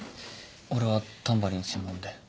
俺はタンバリン専門で。